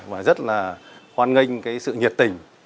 và rất là hoan nghênh sự nhiệt tình